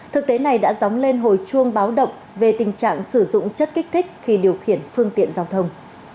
thực tế này đã dóng lên hồi chuông báo động về tình trạng sử dụng chất kích thích khi điều khiển phương tiện giao thông